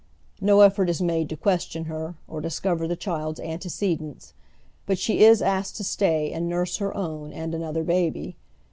Xo effort is made to question her, or discover the child's antecedents, but she is asked to stay and nnrse her own and another baby.